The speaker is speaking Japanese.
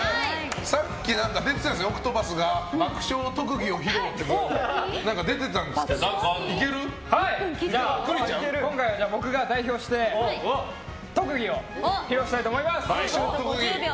さっき出てたんですけどＯＣＴＰＡＴＨが爆笑特技を披露って出てたんですけど今回は僕が代表して特技を披露したいと思います。